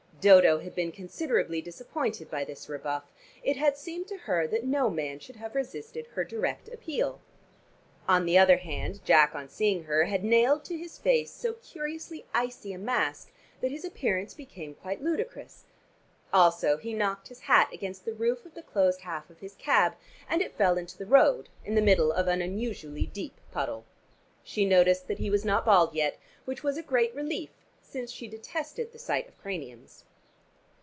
Dodo had been considerably disappointed by this rebuff: it had seemed to her that no man should have resisted her direct appeal. On the other hand, Jack on seeing her had nailed to his face so curiously icy a mask that his appearance became quite ludicrous. Also he knocked his hat against the roof of the closed half of his cab, and it fell into the road, in the middle of an unusually deep puddle. She noticed that he was not bald yet, which was a great relief, since she detested the sight of craniums.